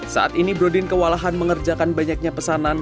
saat ini brodin kewalahan mengerjakan banyaknya pesanan